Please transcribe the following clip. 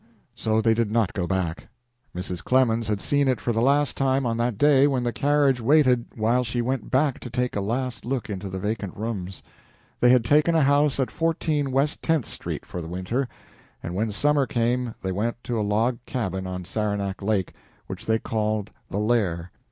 So they did not go back. Mrs. Clemens had seen it for the last time on that day when the carriage waited while she went back to take a last look into the vacant rooms. They had taken a house at 14 West Tenth Street for the winter, and when summer came they went to a log cabin on Saranac Lake, which they called "The Lair."